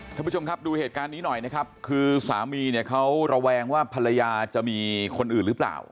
ท่านผู้ชมครับดูเหตุการณ์นี้หน่อยนะครับคือสามีเนี่ยเขาระแวงว่าภรรยาจะมีคนอื่นหรือเปล่า